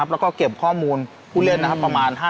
อ่าการเล่นในขาดมากกว่าซึ่งจริงจริงเนี้ยตัวเขาเองเนี้ย